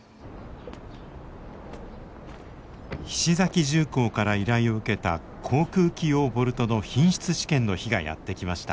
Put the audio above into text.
菱崎重工から依頼を受けた航空機用ボルトの品質試験の日がやって来ました。